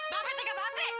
mbak peh tinggal batik